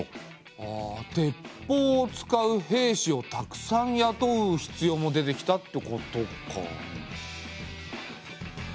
あ鉄砲を使う兵士をたくさんやとう必要も出てきたってことか。